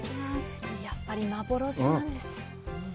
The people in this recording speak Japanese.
やっぱり幻なんです。